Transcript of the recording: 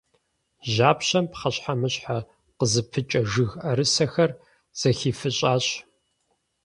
Жьапщэм пхъэщхьэмыщхьэ къызыпыкӏэ жыг ӏэрысэхэр зэхифыщӏащ.